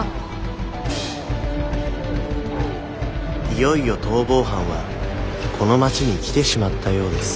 いよいよ逃亡犯はこの町に来てしまったようです